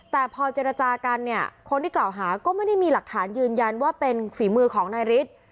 แต่พอเจรจากันเนี่ยคนที่กล่าวหาก็ไม่ได้มีหลักฐานยืนยันว่าเป็นฝีมือของนายฤทธิ์